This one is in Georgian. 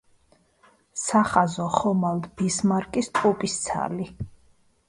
სახაზო ხომალდ ბისმარკის ტყუპისცალი.